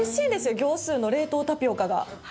業スーの冷凍タピオカが。